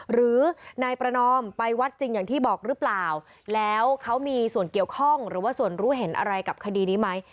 หรือนายประนอมไปวัดจริงอย่างที่บอกหรือเปล่าแล้วเขามีส่วนเกี่ยวข้องหรือว่าส่วนรู้เห็นอะไรกับคดีนี้ไหม